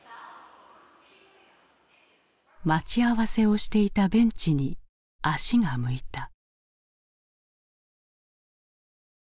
待ち合わせをしていたベンチに足が向いた。